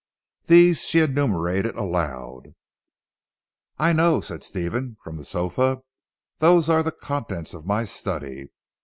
These she enumerated aloud. "I know," said Stephen from the sofa, "those are the the contents of my study.